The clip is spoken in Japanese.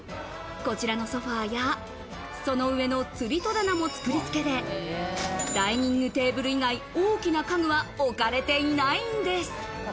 こちらのソファーやその上の吊り戸棚も作り付けで、ダイニングテーブル以外、大きな家具は置かれていないんです。